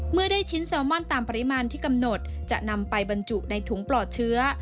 เมื่อได้ชิ้นแซลมอนตามปริมาณที่กำหนดจะนำไปบรรจุในถุงปลอดเชื้อ